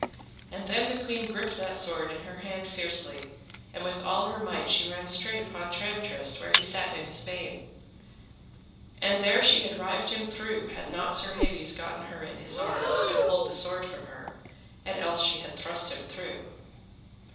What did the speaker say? And then the queen gripped that sword in her hand fiercely, and with all her might she ran straight upon Tramtrist where he sat in his bain, and there she had rived him through had not Sir Hebes gotten her in his arms, and pulled the sword from her, and else she had thrust him through.